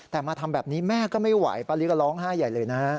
แต่มาทำแบบนี้แม่ก็ไม่ไหวป้าลีก็ร้องไห้ใหญ่เลยนะฮะ